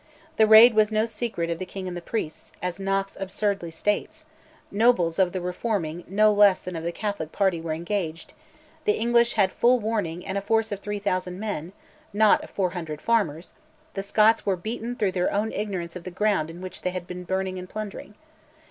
The raid was no secret of the king and the priests, as Knox absurdly states; nobles of the Reforming no less than of the Catholic party were engaged; the English had full warning and a force of 3000 men, not of 400 farmers; the Scots were beaten through their own ignorance of the ground in which they had been burning and plundering.